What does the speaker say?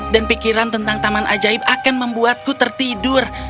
dan pikiran tentang taman ajaib akan membuatku tertidur